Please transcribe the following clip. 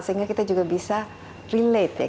sehingga kita juga bisa relate ya